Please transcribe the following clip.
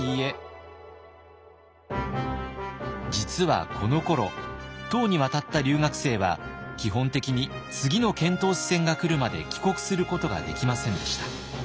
実はこのころ唐に渡った留学生は基本的に次の遣唐使船が来るまで帰国することができませんでした。